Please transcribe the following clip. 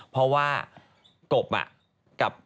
เพราะว่ากบอะ